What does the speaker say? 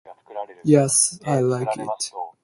Yes, I like it.